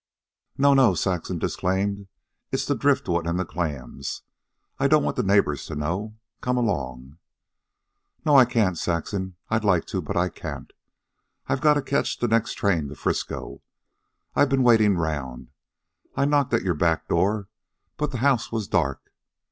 "No, no," Saxon disclaimed. "It's the driftwood and the clams. I don't want the neighbors to know. Come along." "No; I can't, Saxon. I'd like to, but I can't. I've got to catch the next train to Frisco. I've ben waitin' around. I knocked at your back door. But the house was dark.